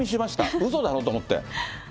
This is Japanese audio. うそだろ？と思って。